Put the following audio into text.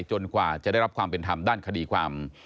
กว่าจะได้รับความเป็นธรรมด้านคดีความ